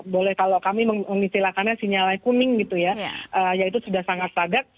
boleh kalau kami mengistilakannya sinyalnya kuning gitu ya yaitu sudah sangat padat